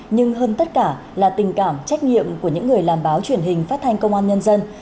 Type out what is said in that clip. nhưng hơn tất cả là tình cảm trách nhiệm của những người làm báo truyền hình phát thanh công an nhân dân